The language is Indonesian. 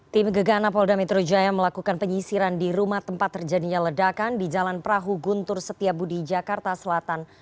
tim gegana polda metro jaya melakukan penyisiran di rumah tempat terjadinya ledakan di jalan perahu guntur setiabudi jakarta selatan